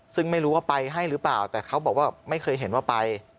ซึ่งไม่รู้ว่าไปให้หรือเปล่าแต่เขาบอกว่าไม่เคยเห็นว่าไป